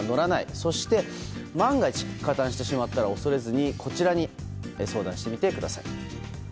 そして万が一加担してしまったら、恐れずにこちらに相談してみてください。